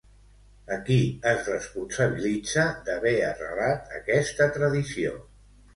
A qui es responsabilitza d'haver arrelat aquesta tradició?